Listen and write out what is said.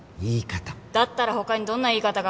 だったら他にどんな言い方があるんですか？